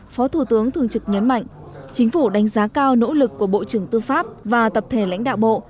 phó thủ tướng thường trực nhấn mạnh chính phủ đánh giá cao nỗ lực của bộ trưởng tư pháp và tập thể lãnh đạo bộ